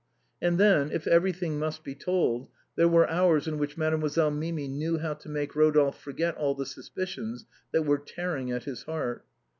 And then, if every thing must be told, there were hours in which Made moiselle Mimi knew how to make Rodolphe forget all the suspicions that were tearing at his heart.